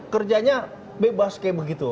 kerjanya bebas seperti begitu